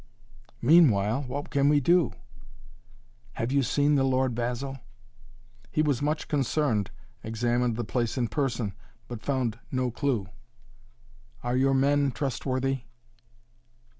"Meanwhile what can we do?" "Have you seen the Lord Basil?" "He was much concerned, examined the place in person, but found no clue." "Are your men trustworthy?"